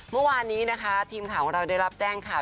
เมื่อวานนี้นะคะทีมข่าวของเราได้รับแจ้งข่าว